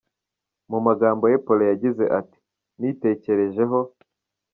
mu magambo ye Paulin yagize ati Nitekerejeho,.